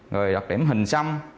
rồi đặc điểm hình xăm